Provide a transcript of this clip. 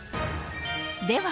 では